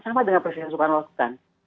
sama dengan presiden soekarno